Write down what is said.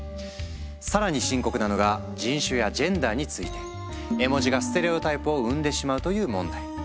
更に深刻なのが人種やジェンダーについて絵文字がステレオタイプを生んでしまうという問題。